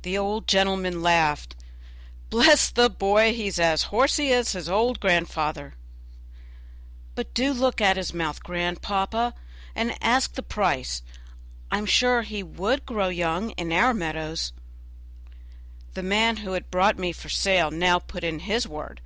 The old gentleman laughed. "Bless the boy! he is as horsey as his old grandfather." "But do look at his mouth, grandpapa, and ask the price; I am sure he would grow young in our meadows." The man who had brought me for sale now put in his word.